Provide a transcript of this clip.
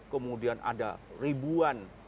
kemudian ada ribuan